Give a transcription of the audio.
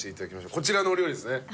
こちらのお料理ですね。